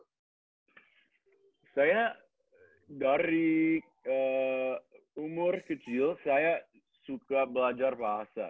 saya dari umur kecil saya suka belajar bahasa